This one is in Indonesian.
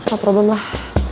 gak ada problem lah